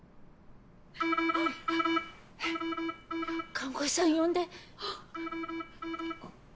看護師さん呼んで。